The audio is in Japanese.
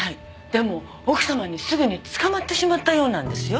でも奥様にすぐに捕まってしまったようなんですよ。